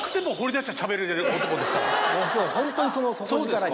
今日はホントにその底力に。